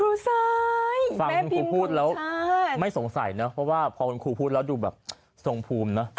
ครูซ้ายแม่พิมพ์ของชาติฟังครูพูดแล้วไม่สงสัยนะเพราะว่าพอครูพูดแล้วอยู่แบบทรงภูมินะ